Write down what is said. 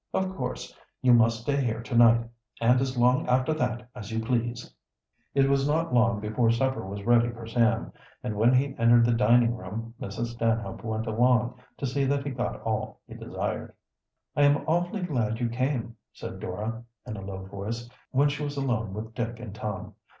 Of course you must stay here to night, and as long after that as you please." It was not long before supper was ready for Sam, and when he entered the dining room Mrs. Stanhope went along, to see that he got all he desired. "I am awfully glad you came," said Dora, in a low voice, when she was alone with Dick and Tom.